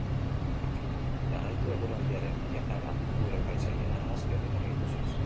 Jarraitu eguraldiaren bilakaera gure paisaien argazki onenak ikusiz.